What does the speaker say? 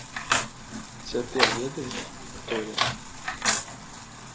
Цяпер ведаеш, хто я?